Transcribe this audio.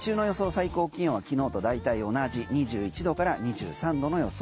最高気温は昨日と大体同じ２１度から２３度の予想。